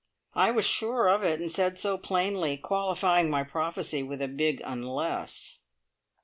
I was sure of it, and said so plainly, qualifying my prophecy with a big "unless."